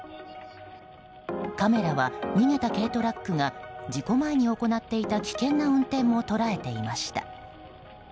カメラは、逃げた軽トラックが事故前に行っていた危険な運転も捉えていました。